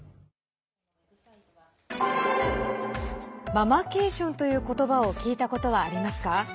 ママケーションという言葉を聞いたことはありますか？